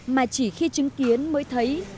mà chỉ khi chứng kiến mới thấy